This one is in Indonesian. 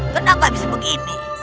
kenapa bisa begini